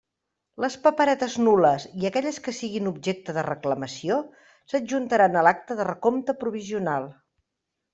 Les paperetes nul·les i aquelles que siguin objecte de reclamació s'adjuntaran a l'acta de recompte provisional.